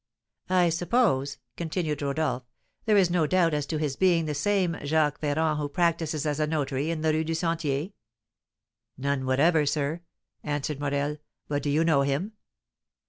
"I suppose," continued Rodolph, "there is no doubt as to his being the same Jacques Ferrand who practises as a notary in the Rue du Sentier?" "None whatever, sir," answered Morel; "but do you know him?"